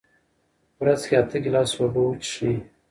ورځ کې اته ګیلاسه اوبه وڅښئ.